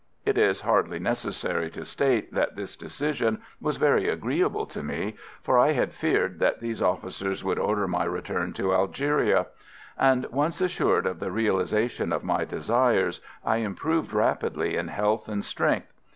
It is hardly necessary to state that this decision was very agreeable to me, for I had feared that these officers would order my return to Algeria; and once assured of the realisation of my desires, I improved rapidly in health and strength.